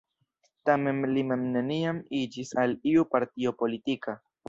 Tamen li mem neniam iĝis al iu partio politika.